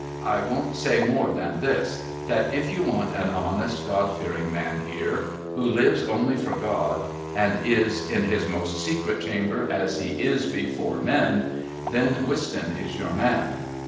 I won't say more than this that if you want an honest, God fearing man here, who lives only for God and is in his most secret chamber as he is before men, then Wistons is your man.